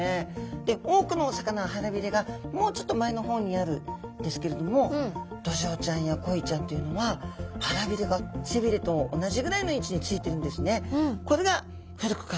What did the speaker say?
で多くのお魚は腹びれがもうちょっと前の方にあるんですけれどもドジョウちゃんやコイちゃんというのは腹びれが背びれと同じぐらいの位置についてるんですね。